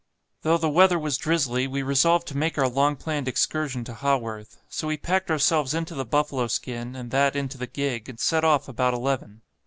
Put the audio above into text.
"Though the weather was drizzly, we resolved to make our long planned excursion to Haworth; so we packed ourselves into the buffalo skin, and that into the gig, and set off about eleven.